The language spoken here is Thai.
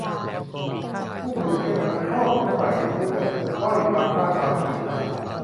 คู่มือไขข้อสงสัยเรื่อง ถ้อยคำสร้างความเกลียดชัง